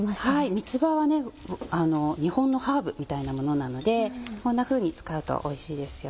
三つ葉は日本のハーブみたいなものなのでこんなふうに使うとおいしいですよ。